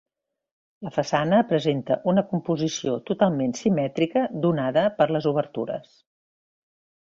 La façana presenta una composició totalment simètrica donada per les obertures.